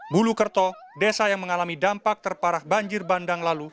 bulukerto desa yang mengalami dampak terparah banjir bandang lalu